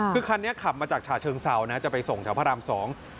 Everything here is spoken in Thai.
คือคันนี้ขับมาจากฉาเชิงเซานะจะไปส่งแถวพระรามสอง